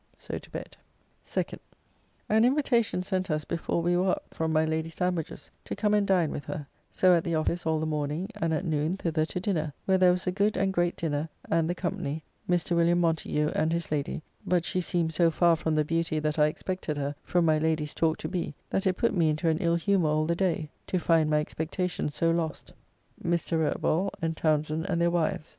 So to bed. 2nd. An invitation sent us before we were up from my Lady Sandwich's, to come and dine with her: so at the office all the morning, and at noon thither to dinner, where there was a good and great dinner, and the company, Mr. William Montagu and his Lady (but she seemed so far from the beauty that I expected her from my Lady's talk to be, that it put me into an ill humour all the day, to find my expectation so lost), Mr. Rurttball and Townsend and their wives.